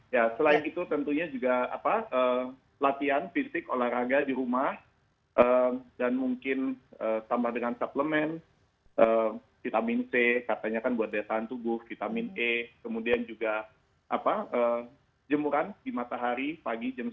ya selain itu tentunya juga latihan fisik olahraga di rumah dan mungkin tambah dengan suplemen vitamin c katanya kan buat daya tahan tubuh vitamin e kemudian juga jemuran di matahari pagi jam sembilan